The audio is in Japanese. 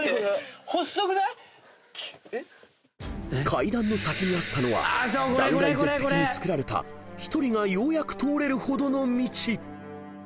［階段の先にあったのは断崖絶壁に作られた１人がようやく通れるほどの道］